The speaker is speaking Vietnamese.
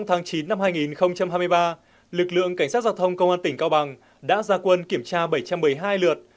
trong tháng chín năm hai nghìn hai mươi ba lực lượng cảnh sát giao thông công an tỉnh cao bằng đã ra quân kiểm tra bảy trăm một mươi hai lượt